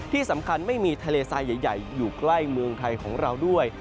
ที่สำคัญไม่มีทะเลทรายใหญ่อยู่ใกล้เมืองไทยของเราด้วย